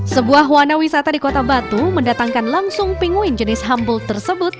sebuah wanawisata di kota batu mendatangkan langsung pingwin jenis humboldt tersebut